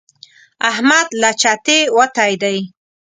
احمد له چتې وتی دی.